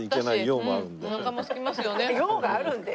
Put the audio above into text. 用があるんで？